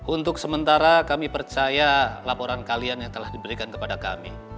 untuk sementara kami percaya laporan kalian yang telah diberikan kepada kami